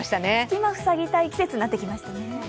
隙間、塞ぎたい季節になってきましたね。